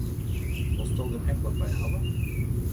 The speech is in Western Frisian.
Wolsto der ek wat by hawwe?